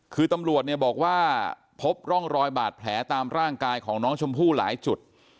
คือตำรวจเนี่ยบอกว่าพบร่องรอยบาดแผลตามร่างกายของน้องชมพู่หลายจุด